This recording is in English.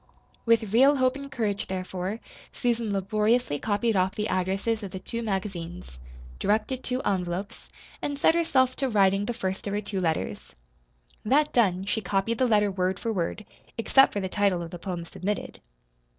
With real hope and courage, therefore, Susan laboriously copied off the addresses of the two magazines, directed two envelopes, and set herself to writing the first of her two letters. That done, she copied the letter, word for word except for the title of the poem submitted.